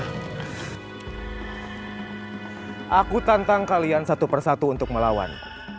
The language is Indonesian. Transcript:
aku akan menantang kalian satu persatu untuk melawan